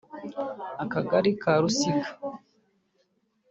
Akagari ka Rusiga